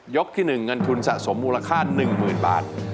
ที่๑เงินทุนสะสมมูลค่า๑๐๐๐บาท